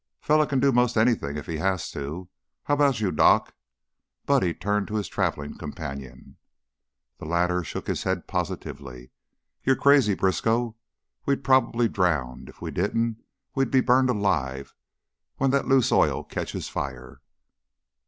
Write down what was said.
Feller can do 'most anything if he has to. How about you, Doc?" Buddy turned to his traveling companion. The latter shook his head positively. "You're crazy, Briskow. We'd probably drown. If we didn't, we'd be burned alive when that loose oil catches fire."